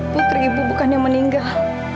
putri ibu bukannya meninggal